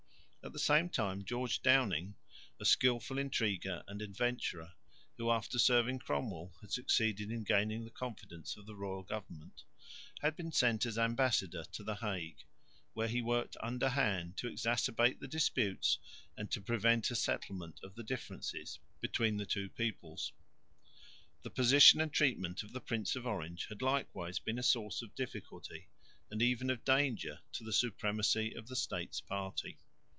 At the same time George Downing, a skilful intriguer and adventurer, who after serving Cromwell had succeeded in gaining the confidence of the royal government, had been sent as ambassador to the Hague, where he worked underhand to exacerbate the disputes and to prevent a settlement of the differences between the two peoples. The position and treatment of the Prince of Orange had likewise been a source of difficulty and even of danger to the supremacy of the States party.